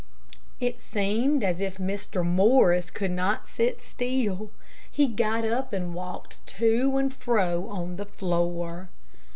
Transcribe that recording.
It seemed as if Mr. Morris could not sit still. He got up and walked to and fro on the floor.